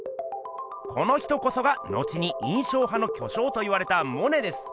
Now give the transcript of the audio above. この人こそが後に印象派の巨匠といわれたモネです。